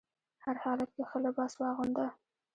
هر حالت کې ښه لباس واغونده.